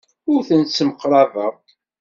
Ur ten-ssemqrabeɣ.